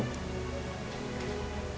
saya belum cinta sama kamu